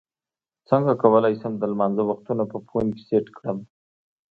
څنګه کولی شم د لمانځه وختونه په فون کې سیټ کړم